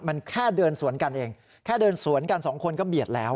มันแค่เดินสวนกันเองแค่เดินสวนกันสองคนก็เบียดแล้ว